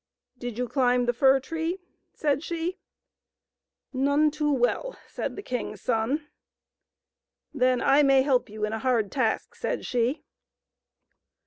" Do you climb the fir tree?" said she. " None too well," said the king's son. " Then I may help you in a hard task,*' said she.